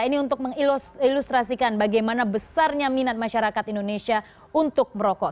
ini untuk mengilustrasikan bagaimana besarnya minat masyarakat indonesia untuk merokok